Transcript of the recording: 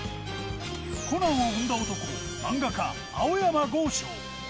コナンを生んだ男、漫画家、青山剛昌。